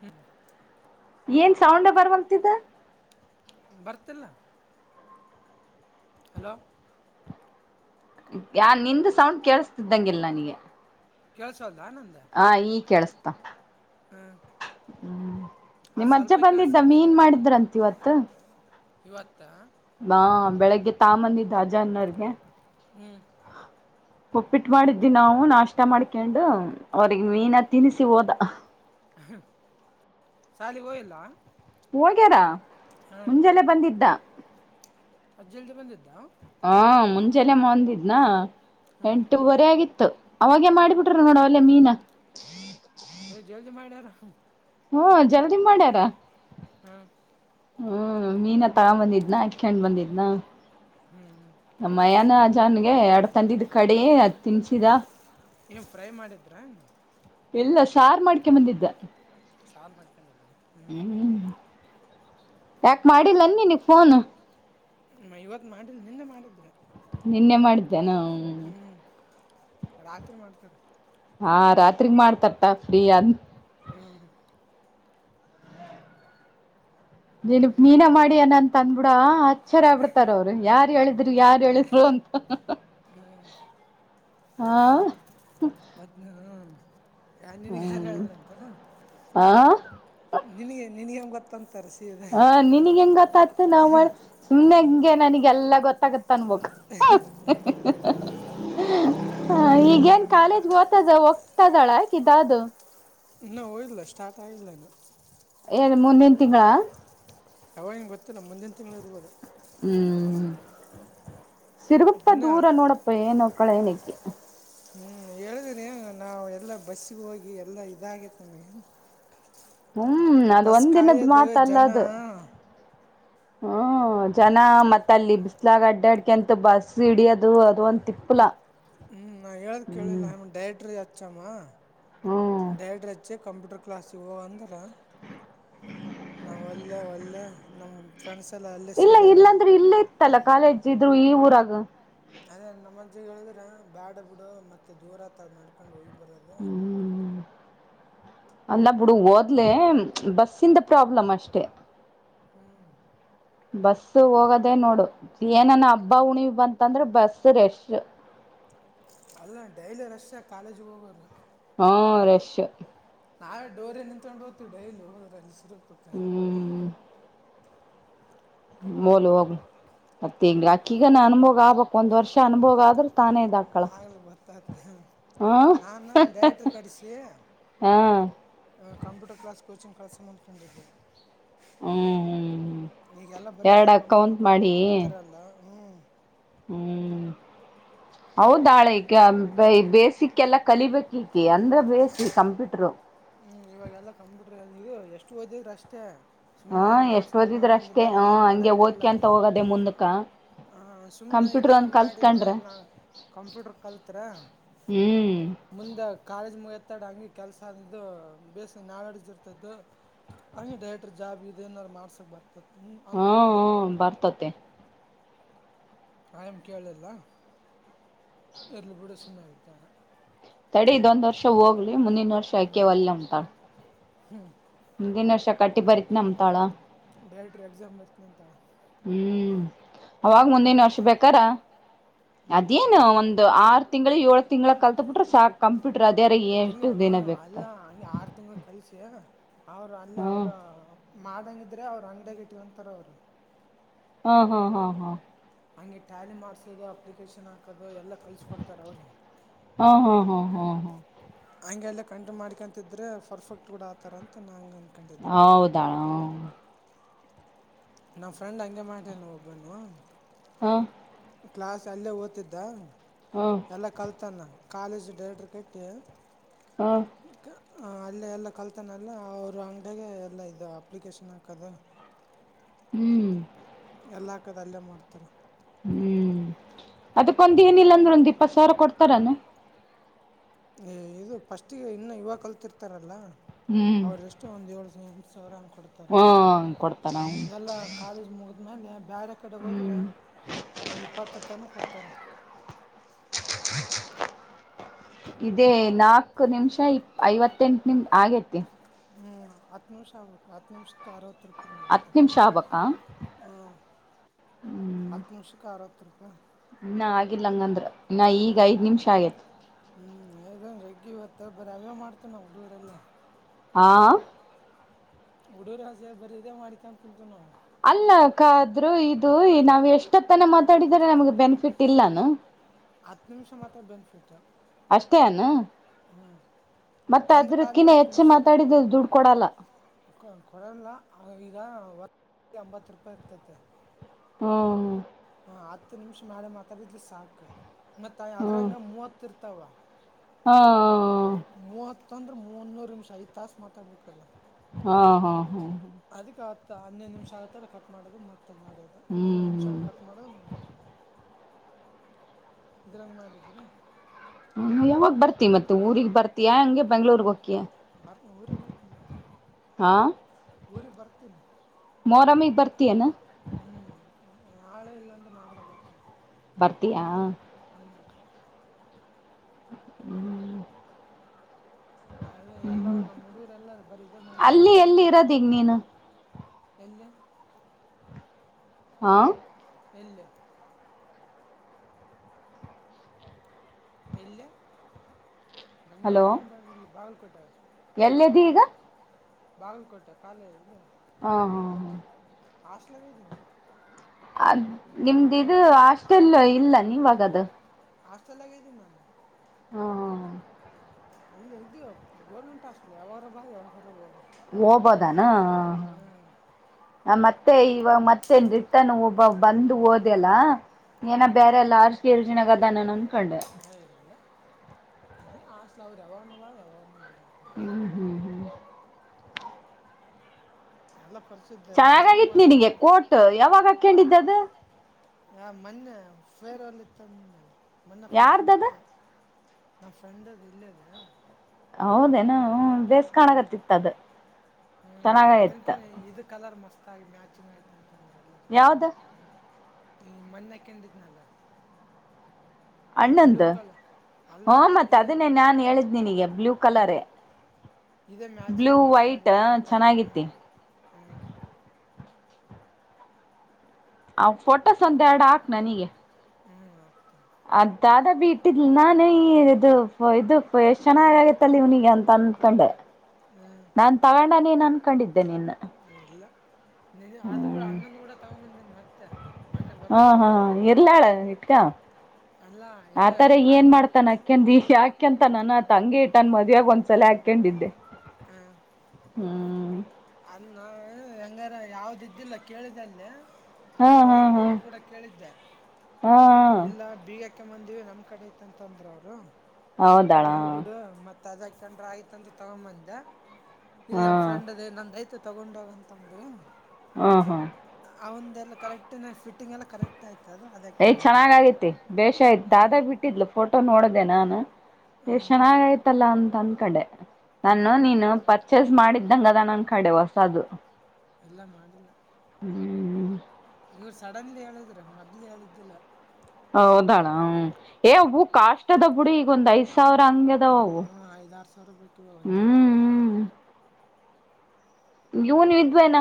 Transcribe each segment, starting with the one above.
ಹ್ಮದು ಏನ್ ಸೌಂಡ್ ಬರ್ವಂತಿದ್ದ ಬರ್ತಿಲ್ಲ ಹಲೋ ಯಾ ನಿಂದು ಸೌಂಡ್ ಕೇಳಿಸತಿದ್ದಂಗಿಲ್ಲ ನನಗೆ ಕ [inaudible] ಹ ಈ ಕೇಳಸ್ತ ಹ್ಮ್ ಹ್ಮ್ ನಿಮ್ ಅಜ್ಜ ಬಂದಿದ್ದ ಮೀನ್ ಮಾಡಿದ್ರಂತ ಇವತ್ ಇವತ್ತ ಬಾ ಬೆಳಿಗ್ಗೆ ತಾ ಮಂದಿದ್ದ ಅಜ ಅನ್ನೋರ್ಗೆ ಒಪ್ಪಿಟ್ಟು ಮಾಡಿದ್ದಿ ನಾವು ನಾಷ್ಟ ಮಾಡ್ಕೊಂಡು ಅವ್ರಗ್ ಮೀನ ತಿನಿಸಿ ಹೋದ ಶಾಲಿ ಹೋಯಲ್ಲ ಹೋಗ್ಯಾರ ಮುಂಜಾನೆ ಬಂದಿದ್ದ ಅಜಲ್ದೆ ಬಂದ ಹಾ ಮುಂಜಾನೆ ಮಂದಿದ್ನ ಎಂಟವರೆ ಆಗಿತ್ತು ಅವಾಗೆ ಮಾಡಿಬಿಟ್ರ ನೋಡ ಅವಲ್ಲೆ ಮೀನ ಜಲ್ದಿ ಮಾಡಿಡರ ಹ್ಮ ಜಲ್ದಿ ಮಾಡ್ಯಾರ ಹ್ಮ ಹ್ಮ್ ಮೀನಾ ತಗ ಬಂದಿದ್ನ ಅಕಂಡ್ ಬಂದಿದ್ನ ನ ಮಯಾನ ಜನ್ಗೆ ಎರ ತಂದಿದ ಕಡೆ ಅದ್ ತಿನ್ಸಿದ ಏನ್ ಫ್ರೈ ಮಾಡಿದ್ರಾ ಎಲ್ಲ ಸಾರು ಮಾಡ್ಕ ಬಂದಿದ್ದ ಶಾರಮಾಡ್ಕೊಂಡಿದ್ದನನೆ ಹ್ಮ್ ಯಾಕೆ ಮಾಡಿಲ್ಲ ನೀಗ್ ಫೋನ್ ನ್ಮ ಇವತ್ ಮಾಡಿಲ್ ನಿನ್ನೆ ಮಾಡಿದ್ರರು ನಿನ್ನೆ ಮಾಡಿದ್ದೇ ನ ಹ್ಮ್ ರಾತ್ರಿ ಮಾಡ್ತಾರ ಹಾ ರಾತ್ರಿಗ್ ಮಾಡ್ತಟ್ಟ ಫ್ರೀ ಅಂತ ನೀನ ಮೀನ ಮಾಡಿ ಅನ ಅಂತ ಅಂದ್ಬಿಡ ಅಚ್ಚರ ಆಗ್ಬಿಡ್ತಾರ ಅವ್ರು ಯಾರ್ ಹೇಳಿದ್ರು ಯಾರ್ ಹೇಳಿದ್ರು [inaudible] ಹಾ ಬತ್ನ ಹ ಯ ನಿನ್ಗ ಯಾರು ಹೇಳಿದ್ರಂತಾರ ನಿನಗೆ ನಿನ್ಗ ಎಂಗ್ ಗ್ ಗೊತ್ತಂತ ಹ ನಿನಗ್ ಹೆಂಗ್ ಗೊತ್ತ್ ನಾವ್ ಮಾಡ ಸುಮ್ನೆ ಹೆಂಗೆ ನನಗೆಲ್ಲಾ ಗೊತ್ತಾಗುತ್ತೆ ಅನ್ಬಕ್ ಈಗ ನ್ ಕಾಲೇಜ್ ಗ ದ ವಕ್ತ ಜಳ ದದು ನಾ ಹೀಗಿಲ್ಲ ಲ್ಲ ಸ್ಟಾರ್ಟ್ ಆಯಲ್ಲನು ಏನು ಮುಂದಿನ ತಿಂಗಳ ಯಾವಾಗನ ಗೊತ್ತಿಲ್ಲ ಮುಂದಿನ ತಿಂಗಳು ಇರ್ಬೋದು ಹ್ಮ್ ಸಿರುಗುಪ್ಪಾ ದೂರ ನೋಡಪ್ಪ ಏನು ಕಳ ಏನಕ್ಕೆ ಹ್ಮಞ ಹೇಳಿದರಿ ನಾವು ಎಲ್ಲ ಬಸ್ಸಿಗೆ ಹೋಗಿ ಎಲ್ಲ ಇದಾಗತ್ ನಮಗೆ ಹ್ಮ್ ಅದು ಒಂದಿನದ ಮಾತ ಅಲ್ಲ ಅದು ಹ್ಮ ಜನ ಮತ್ತ ಅಲ್ಲಿ ಬಿಸ್ಲಾಗ ಅಡ್ಡಾಡ್ಕೆ ಅಂತ ಬಸ್ ಹಿಡಿಯೋದು ಅದು ಒಂದು ತಿಪ್ಪುಲ ಹ್ಮ್ ನಾ ಹೇಳದ ಕೇಳಿಲ್ಲ ಆಮ್ಮ ಡೈಟ್ರಿ ಹಚ್ಚಮ್ಮ ಡೈಟ್ರಿ ಹಚ್ಚಿ ಕಂಪ್ಯೂಟರ್ ಕ್ಲಾಸ್ ಸಿಗ ಅಂದ್ರ ನಾವ ಒಲ್ಲೆ ಒಲ್ಲೆ ನಮ್ಮ ಇಲ್ಲ ಇಲ್ಲಾಂದ್ರೆ ಇಲ್ಲ ಇತ್ತಲ್ಲ ಕಾಲೇಜ್ ಇದು ಈ ಊರಾಗ ಅದೇ ನಮ್ಮ ಮಜ್ಜ ಹೇಳಿದ್ರೆ ಬ್ಯಾಡ ಬಿಡು ಮತ್ತೆ ದೂರಹಾತದ ಹ ನಡ್ಕೊಂಡ್ ಹೋಗ್ಬಾರ ಹ್ಮು ಹು ಅಲ್ಲ ಬಿುಡು ಓದ್ಲಿ ಬಸ್ಸಿಂದ ಪ್ರಾಬ್ಲಮ ಅಷ್ಟೆ ಹ್ಮ್ ಬಸ್ ಹೋಗೋದೇ ನೋಡು ಏನಾನ ಹಬ್ಬ ಉಣಿಮೆ ಬಂತಂದ್ರೆ ಬಸ್ ರೆಶ್ ಅಲ್ಲ ಡೈಲಿ ರಷ್ಆಗಿ ಕಾಲೇಜಗೆ ಹೋಗೋದು. ಹ್ಮ ರಷ್. ನಾವೇ ಡೈರಿ ನಿಂತ್ಕೊಂಡು ಹೋಗ್ತಿವಿ ಡೈಲ್ಲಿ ಹೋದ್ರೆ ಅಲ್ಲಿ ಸೂರೂಪಕ್ಕ ಅವಾಗ. ಮೋಲು ಹೋಗ್ಲಿ ಮತ್ತ ಹೆಂಗ್ರ ಅಕ್ಕಿಗ ನ ಅನುಭೋಗ್ ಆಗ್ಬಕ್ ಒಂದ್ ವರ್ಷ ಅನುಭೋಗ ಆದ್ರೂ ತಾನೇ ಇದಾಕ್ಕಳ ನಾನು ಡ್ಯಾಟ್ರ ಕಡಿಸಿ ಹಾ ಕಂಪ್ಯೂಟರ್ ಕ್ಲಾಸ್ ಕೋಚಿಂಗ್ ಕಲ್ಸಮ್ಮ ಅಂದ್ಕೊಂಡಿದ್ದೆ ಹ್ಮ್ ಹು ಈಗೆಲ್ಲ ಬರೀ ಅದೇ ಕಂಪ್ಯೂಟರ್ ಕಾಂಪ್ಯೂಟರ್ ಕೇಳ್ತಾರಲ್ಲ ಹ್ಮ್ ಹೌದಾಳ ಈಕಿ ಬೇಸಿಕ್ ಎಲ್ಲ ಕಲಿಬೇಕ ಈಕಿ ಅಂದ್ರೆ ಬೇಸಿ ಕಂಪ್ಯೂಟರು ಹ್ಮ್ ಇವಾಗೆಲ್ಲಾ ಕಂಪ್ಯೂಟರ್ ಇದು ಎಷ್ಟು ಓದಿದ್ರೆ ಅಷ್ಟೇ. ಹಾ ಎಷ್ಟ್ ಓದಿದ್ರ ಅಷ್ಟೇ ಹ ಹಂಗೆ ಹೋದಕಂತೆ ಹೋಗುದೆ ಮುಂದಕ್ಕ. ಹ ಸುಮ್ನೆ ಇದರ ಮಾಡಿದ್ರೆ ನಾ ಕಂಪ್ಯೂಟರ್ ಕಲತ್ರ ಮುಂದೆ ಕಾಜ್ ಮಹಲ್- ಹಂಗೆ ಕೆಲಸ ದು ಬೇಸ್ ನಾಳೆಡ್ಜ ಇರ್ತದು ಹಂಗೆ ಡೈರೆಕ್ಟರ್ ಜಾಬ್ ಇದೆ ಮಾಡ್ಸಕ್ ಬರ್ತ್. ಹ್ಮ ಹ್ಮ ಬರ್ತತೆ. ನಾ ಏನ್ ಕೇಳಲಿಲ್ಲ ಇರ್ಲಿ ಬಿಡ ಸುಮನೆ ಅಂತ ನಾನ ತಡೆ ಇದೊಂದ್ ವರ್ಷ ಹೋಗ್ಲಿ ಮುಂದಿನ ವರ್ಷ ಆಕೆ ಒಳ್ಳೆ ಅಂತಾಳ. ಹ್ಮ್. [inaudible] ವರ್ಷ ಕಟ್ಟಿ ಬರಿತಿನಿ ಅಂತಾಳ. Direct exam ಬರತೀನಿ ಅಂತಾಳ. ಹ್ಮ್ ಅವಾಗ ಮುಂದಿನ ವರ್ಷ ಬೇಕಾರ ಅದೇನು ಒಂದು ಆರು ತಿಂಗಳ ಏಳ ತಿಂಗಳ ಕಳ್ತಬಿಟ್ರೆ ಸಾಕ ಕಂಪ್ಯೂಟ್ರ ಅದರ ಎಷ್ಟ ದಿನ ಬೇಕ ಅಂತ. ಆರ ತಿಂಗಳ ಕಳಿಸಿ ಅವರು ಅಲ್ಲ ಅವ್ರು ಮಾಡಗಿದ್ರ ಅವರ ಅಂಗಡಿಯಾಗ ಇಟ್ಟುಕೊಂತರ್ ಅವ್ರು - ಹಾ ಹಾ ಹ ಹ ಹಂಗೆ ಟ್ಯಾಲಿ ಮಾಡ್ಸೋದು ಅಪ್ಲಿಕೇಶನ್ ಹಾಕದು ಎಲ್ಲಾ ಕಳ್ಸಿಕೊಡ್ತಾರ ಅವ್ರ ಹಂಗೆ ಅಲ್ಲೇ ಕಂಟಿನ್ಯೂ ಮಾಡ್ಕೊಂತಿದ್ರೆ ಪರ್ಫೆಕ್ಟ್ ಬಿಡ ಆಗ್ತಾರ್ ಅಂತ ನಂಗಂತ ಹೌದಾ. ನಮ್ಮ್ ಫ್ರೆಂಡ್ ಹಂಗೆ ಮಾಡ್ಯಾನ್ ಒಬ್ಬನು ಹಾ. ಕ್ಲಾಸ್ ಅಲ್ಲೇ ಓದ್ತಿದ್ದ ಎಲ್ಲ ಕಲ್ತಾನ ಕಾಲೇಜ್ ಡೇಟರ ಕಟ್ಟಿ ಹ್ಮ. ಹ ಅಲ್ಲೇ ಎಲ್ಲಾ ಕಲ್ತಾನಲ್ಲ ಅವರು ಅಂಗಡಾಗ ಎಲ್ಲ ಇದು ಅಪ್ಲಿಕೇಶನ್ ಹಾಕೋದು ಹ್ಮ್. ಎಲ್ಲಾ ಹಾಕೋದ್ ಅಲ್ಲೇ ಮಾಡ್ತಾರ. ಹ್ಮ್ ಅದಕ್ಕೊಂದ ಏನಿಲ್ಲಾಂದ್ರೆ ಒಂದ್ ಇಪ್ಪತ್ ಸಾವಿರ ಕೊಡ್ತಾರನ ಏ ಇದು ಪಫಸ್ಟ್ಗೆ ಇನ್ನು ಇವಾಗ ಕಲ್ತಿರ್ತಾರಲ್ಲ. ಅವ್ರ ಎಷ್ಟೋ ಒಂದ್ ಏಳು ಸಾವಿರ ಹ್ಮ ಕೊಡ್ತಾನ ಆದ್ಮೇಲೆ ಬೇರೆ ಕಡೆ ಹೋದರ ಇಪ್ಪತ್ತ ತನ ಕೊಡ್ತಾರ. ಇದೇ ನಾಕ ನಿಮಿಷ ಐವತ್ತೆಂಟು ನಿಮ್ ಆಗೇತಿ. ಹ್ಮ್ ಹತ್ತು ನಿಮಿಷ ಆಗ್ಬೇಕು ಹತ್ತು ನಿಮಿಷಕ್ಕೆ ಅರವತ್ತು ರೂಪಾಯಿ. ಹತ್ತ ನಿಮಿಷ ಆಗಬೇಕಾ ಹ್ಮ್. ಇನ್ನ ಆಗಿಲ್ಲಂಗಂದ್ರ ಇನ್ನ ಈಗ ಐದ್ ನಿಮಿಷ ಆಗೆತ್ತಿ. ಇವತ್ತ ಬರಿ ಅವ್ಯ ಮಾಡ್ತು ನಾವು ಹುಡುಗರೆಲ್ಲ ಹಾ ಹಡೂರ ಹಸೆ ಬರಿ ಇದೇ ಮಾಡ್ಿಕ ಅನ್ ಕುಂತವಿ ನಾವು ಅಲ್ಲಕ್ಕಾದ್ರರು ಇದು ಈ ನಾವ್ ಎಷ್ಟೊತ್ತನ ಮಾತಾಡಿದರೆ ನಮಗೆ ಬೆನಿಫಿಟ್ ಇಲ್ಲನೂ. ಹತ್ತ ನಿಮಿಷ ಮಾತ್ರ ಬೆನಿಫಿಟ್ ಅಷ್ಟೇ ಆಯ್ತಿ ಏನ್ ರಿ ಹ್ಮ. ಮತ್ತ ಅದ್ರಕ್ಕಿನ್ನ ಹೆಚ್ಚು ಮಾತಾಡಿದ್ದು ದುಡ್ ಕೊಡಲ್ಲ? ಕೊ ಕೊಡಲ್ಲ ಈಗ ಒಂದಕ್ಕ ಎಂಬತ್ತು ರೂಪಾಯಿ ಇರ್ತತೆ. ಹ್ಮ. ಹತ್ತು ನಿಮಿಷ ಮ್ಯಾಲ ಮಾತಾಡಿರ ಸಾಕ ಮತ್ತ ಅದ್ರಂಗ ಮೂವತ್ತ ಇರ್ತಾವ. ಹ್ಮ್ ಮೂವತ್ತ ಅಂದ್ರ ಮೂನ್ನೂರು ನಿಮಿಷ ಐದ ತಾಸ ಮಾತಾಡ್ಬೇಕಲ್ಲ. ಹಾ ಹಾ ಹಾ ಅದಕ್ಕೆ ಹತ್ತ ಹನ್ನಿನೈದು ನಿಮಷ ಆತ್ತರ ಕಟ್ ಮಾಡೋದು ಮತ್ತೆ ಮಾಡದ ಹನ್ನೊ ನಿಮಿಷ ಕಟ್ ಮಾಡ ಮಾಡ್ತೀ ಇ ದರಾಂಗ ಮಾಡಳತರು ಹ ಯಾವಾಗ ಬರ್ತಿ ಮತ್ತೆ ಊರಿಗೆಗ್ ಬರ್ತಿಾಂ ಬೆಂಗಳೂರ್ರಿಗೆ ಹೋಗ್ತ ಬರ್ತನ ಊರಿ ಬರ್ತನ ಊರಿ ಬರ್ತೀನಿ ಮೊರಾಮಗ್ ಬರ್ತಯನು ನಾಳೆ ಇಲ್ಲಾಂದ ನಾ್ದಾಗ ಬರ್ತನಿ ಬರ್ತಯಾ ಹ್ಮ್ ಅ ಎಲ್ಲ ನಮ್ಮ್ ಹುಡುಗರು ಎಲ್ಲಾರ ಬರೀ ಇದೇ ಮಾಡ್ಕೊಂಡಕತೀನಲ್ಲಾ ಎಲ್ಲ ಹಾ ಎಲ್ಲಿ ಇಲ್ಲ ಬೆಂಗ್ಗಳೂರ ಬಾಗಲ್ಕೋಟೆ ಎಲ್ಲೆ್ದಿ ಈಗ ಬಾವಕೋಟೆ ಕಾಲೇ ಇಲ್ಲ ಹಾ ಹಾ ಹ ಆಷ್ಟಲಗಿದ್ದನ ಅದ್ ನಿಮ್ದ ಇದು ಹಾಸ್ಟೆಲ್ ಇಲ್ಲ ನೀವಾಗದು ಆಷ್ಟತಲ್ಲಗೇಿದ್ದ ನಾನು ಹ್ಮ ಹ ಇಲ್ಲ ಇದು ಗೋರ್ಮೆಂಟ್ ಅಷ್ಟಲಿ ಯಾವಾರ ಬಾ ಯಾವಾಗರಬ ಹಓಬೋದಾನ ಮತ್ತೆ ಮತ್ತೆ ಇವ ಮತ್ತೆನ್ ರಿಟನ್ ಒಬ್ಬ ಬಂದು ಓದೆಲ್ಲ ಏನ ಬೇರೆಲ್ಲ ಆರ್ಿಲ್ಜಿನಾಗದನ್ನ ಅಂದ್ಕೊಂಡೆ ಇ ಆ ಸ್ ಅವ್ಯವ್ಯವ ಬಿ ಹ್ಮ್ ಹ್ಮ್ ಹ್ಮ್ ಎಲ್ಲ ಚೆನ್ನಾಗಾಗಿತ್ ನೀನಗೆ ಕೋಟ್ ಯಾವಾಗ ಹಾಕೊಂಡಿದ್ದ್ ಅದು ಆ ಮೊನ್ನೆ ಫೇರ್ಲ್ ಇತ್ತ ಮ ಮೊನ್ನೆ ಫಂಕ್ಷನ್ ಇತ್ತ ನಾ ಫ್ರೆಂಡ್ ಅದು ಇಲ್ಲದ [unintelligible] ಹೌದೇನ ಬೇಸ್ ಕಾಣಗತ್ತತ್ತ ಅದ ಚೆನ್ನಾಗ ಇತ್ತ [unintelligible] ಹ್ಮ ಮನ್ನೆ ಕೆಂಡಿದ್ದನಲ್ಲ ಬ್ಲೂ ಕಲರ್ ಹಾ ಮತ್ತೆ ಅದನ್ನೇ ನಾನ್ ಹೇಳಿದನನ್ಗ ಬ್ಲೂ ಕಲರ್ ಇದೇ ಮ್ಯಾಚಿಂಗ್ ಮಸ್ತ್ ಆಗ ಕರೆಕ್ಟ್ ಆಗೈತ್ ಹ್ಮ್ ಆ ಫೋಟೋಸ್ ಒಂದ ಎರಡು ಹಾಕ್ ನನಗೆ ಅದಾದ ಬಿಟ್ಟಲ್ ನಾನು ಇದು ಇದು ಎಷ್ಟ್ ಚೆನ್ನಾಗ ಆಗೈತ್ತಲ್ಲಿ ಇವ್ನಿಗೆ ಅಂತ ಅನ್ಕೊಂಡೆ ನಾನ್ ತಗೊಂಡ ನೀನ್ ಅನ್ಕೊಂಡಿದ್ದೆ ನಿನ್ನ ನಿ ಅದು ಕೂಡ ಅಣ್ಣಂದ ಕೂಡ ತಗೊಂಬಂದಿ ಮತ್ತೆ [unintelligible] ಹಾ ಹಾ ಇರ್ಲಾಳ ಇಟ್ಕ ಅಲ್ಲಾ ಆತರ ಏನ್ ಮಾಡ್ತಾನ ಅಕಂದ ಯಾಕಂತ ನಾನ ತಂಗಗೆ ಇಟ್ಟನ್ ಮದುವೆ ಒಂದ್ಸಲ ಹಾಕೊಂಡಿದ್ದೆ ಹಾ ಹ್ಮ್ ಅಲ್ಲ ನ ಹೆಂಗಾರ ಯಾವ್ದ ಇದ್ದಿಲ್ಲ ಕೇಳಿದೆ ಅಲ್ಲ ಆ ಗೌಸ್ಮಿಮ ಕೂಡ ಕೇಳಿದ್ದೆ ಇಲ್ಲ ಬೀಗ ಬಂದಿವ ನಮ್ ಕಡೆ ತ್ ಅಂತ ಅಂದ್ರ ಅವರು ಇರ್ಲ್ ಬಿಡು ಮತ್ತ ಅದಕಂಡ್ರ ಆಯ್ತಂತ ತಗೊಂಬಂದ ಇಲ್ಲಿ ನಮ್ ಫ್ರೆಂಡ್ ನಂದ ಐತ ತಗೊಂಡಾಗಂತಂದ್ರೆ ಹ್ಮ ಹಾ ಅವಂದೆಲ್ಲ ಕರೆಕ್ಟ್ ಫಿಂಗ್ಲ್ಲ ಕರೆಕ್ಟ್ ಆಯತು ಯ್ ಚೆನ್ನಾಗ ಆಗೈತಿತೆ ಬೇಷಯತ್ ದಾದಾಗ ಬಿಟ್ಟಿದ್ಲು ಫೋಟೋ ನೋಡದ ಇದೆ ನಾನುಷ್ಟ ಚೆನ್ನಾಗ ಯ್ತಲ್ಲ ಅಂತಂದ್ ಕಡೆ ನಾನು ನೀನು ಪರ್ಚೇಸ್ ಮಾಡಿದ್ದಂಗದ ನನ್ ಕಡೆ ಹೊಸದು ಎಲ್ಲ ಮಾಡದಲ್ಲ ಹ್ಮ್ ಇವ್ರ ಸಡನ್ಲಿ ಹೇಳಿದ್ರ ಮೊದ್ಲು ಹೇಳಿದ್ದಿಲ್ಲ ಹೌದಾಳ ಹ್ಮ ಏ ಒಬ್ಬೂ ಕಾಷ್ಟದ ಪುಡಿ ಈಗೊಂದ್ ಐಸ ಸಾವಿರ ಹಂಗದಾವವು ಹ್ಮ್್ಮ ವುನ್ ವಿಿದ್ವನಾ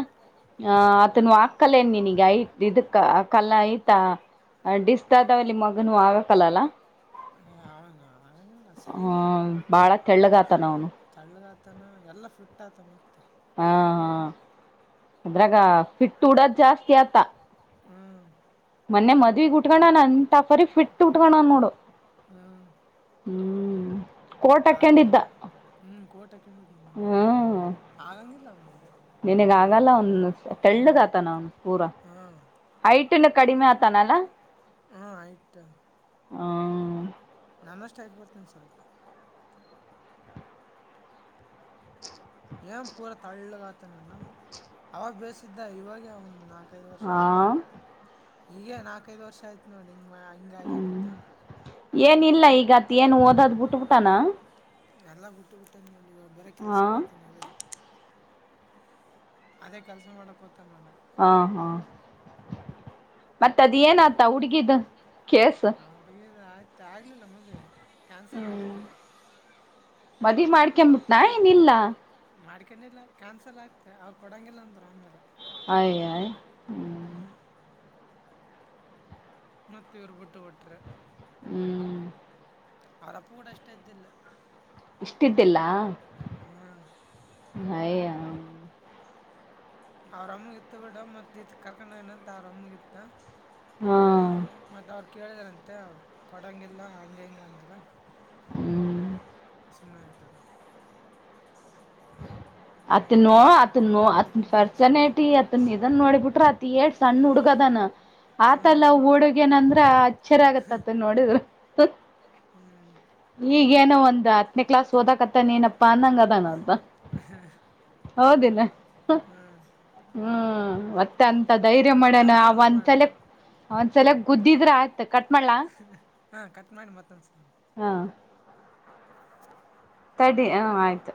ಹ ಆತನು ಆಾಕ್ಲ್ಲೇನ್ ನೀಿನಗ ಯತ್ ಇದಕ್ಕ ಕಲ್ಲ ಆಯ್ತಾ ಆ ಡಿಸ್ತಾದಾವಲ್ಲಿ ಮಗನು ಆಗಕ್ಲ್ಲಲ್ಲ ಹ್ಮ ಬಾಳ ಕೆಳ್ಳಗಾತ ನ ಅವನು ತ ಎಲ್ಲಾ ಫಿಟ್ ಆತ ಮ್ತ ಹಾ ಹಾ ಅದ್ರಾಗ ಫಿಟ್ಟ ಕೂಡದ್ ಜಾಸ್ತಿ ಆತ ಮೊನ್ನೆ ಮದ್ವಿಗ್ ಉಟ್ಕಣಾನ ಅಂತಫರಿ ಫಿಟ್ಟ ಉಟ್ಕಣ ನೋಡು ಹ್ಮ್ ಆಗಂಗಿಲ್ಲ ಹ್ಮ್ ಕೋಟೆ ಕೇಳಿದ ಅವನ ಆಗಂಗಿಲ್ಲ ಅವನಗೆ ನನಗ ಆಗಲ್ಲ ಅವನ್ ತಳ್ಳದ ಆತಾನ ಅವನ್ ಪೂರ ಹೈಟ್ ಇನ್ನು ಕಡಿಮಾತಾನಲ್ಲ ಆಯ್ತಾ ಹ ನಾನಷ್ಟು ಹೈಟ್ ಬರ್ತೀನಿ ಸ್ವಲ್ಪ ಏನ್ ಪೂರಾ ತಳ್ಳಗ ಆತನಲ್ಲ ಅವಾಗ ಬೇಸಿದ್ದ ಇವಾಗ ಒಂದ್ ನಾಕ ನಾಕೈದು ವರ್ಷ ಆಯ್ತ ನೋಡಿ ಈಗಗೆ ನಾಲ್ಕೈದು್ ವರ್ಷ ಆಯ್ತ ನೋಡಿ ಅಂಗ ಆನತ ಏನಿಲ್ಲ ಈಗತ್ತು ಏನು ಓದೋದ್ ಬಿಟ್ಬಿಟ್ಟಾನ ಎಲ್ಲ ಬಿಟ್ಟು ಬಿಿಟ್ಟನ್ ನೋಡಿ ಇವ ಬರ ಕೆಲ್ಸ ಕೊಡ್ತನ್ದೆ ಅದೇ ಕೆಲ್ಸ ಮಾಡಕ್ ಹಾ ಹಾ ಮತ್ತತ್ ಅದ್ ಏನ ಆತ ಹುಡ್ಗಿದ ಕೇಸ್ ಮತ್ತ ಆಗ್ಲಿಲ್ಲ ಮದವಿ ಹ್ಮ್ ಮದ್ವಿ ಮಾಡ್ಕಂಬಬಿಟ್ನಾ ಇನಿಲ್ಲ ಕ್ಯಾನ್ಸಲ್ ಆಗ್ತತೆ ಅವ್ ಕೊಡಂಗಿಲ್ಲ ಅಂದ್ರ ಆಮೇಲೆ ಆಯ ಆ ಹ್ಮ ನನ್ನತ್ತಿವಬಟ್ಟ ಒಟ್ರ ಹ್ಮ್ ಆರಪ್ಪು ಕೂಡ ಅಷ್ಟ ಇದ್ದಿಲ್ಲ ಇಷ್ಟ್ದಿಲ್ಲ ಹ್ಮ್ ಅಯ್ಯ ಅವ್ರಮ್ಮಗ ಇತ್ತು ಬಿೇಡ ಮತ್ ಇ ಕರ್ಕೊಂಡ ಏನಂತ ಅವ್ರ ಅಮ್ಮಗಿತ್ತ ಹ್ಮ ಕೇಳಿದ್ರಂತೆ ಕೊಡಂಗಿಲ್ಲ ಹಂಗ ಹಂಗ ಅಂದ್ರ ಹ್ಮ್ ಸನ್ನತರ ಅತ್ ನ ಅತನ್ ಅತ್ನ ಫರ್ಸ್ಟ್ ಜನ ಟಿ ಅತನ್ ಇದನ್ ನೋಡಿಬಿಟ್ರ ಿಯೇಟ್ ಸಣ್ಣ ಹುಡುಗದಾನ ಆತಲ್ಲ ಹೂಡುಗೇನಂದ್ರ ಅಚ್ಚರಿ ಆಗತ್ತತ್ ನೋಡಿದ ಈಗೇಏನೋ ಒಂದ್ ಹತ್ತನೇ ಕ್ಲಾಸ್ ಹಓದಕತ್ತಾನೇನಪ್ಪಾ ಅನ್ನಂಗ ಅದಾನ ಅಂತ ಹ್ಮ ಹೋದಿನ ಹ್ಮ್ ಮತ್ತೆ ಆ ಅಂತ ಧೈರ್ಯ ಮಾಡಣ ಆ ಒಂದ್ಸಲ ಒಂದ್ಸಲ ಗುದ್ದಿದ್ರ ಆಯ್ತ್ ಕಟ್ಳ ಹಾ ಕಟ್ ಮಾಡಡಿ ಮತ್ತ ತಡಿ ಹ್ ಆಯ್ತು